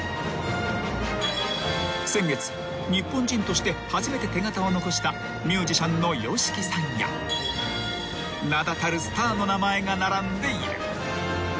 ［先月日本人として初めて手形を残したミュージシャンのＹＯＳＨＩＫＩさんや名だたるスターの名前が並んでいる］